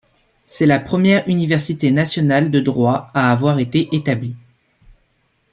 C'est la première université nationale de droit à avoir été établie.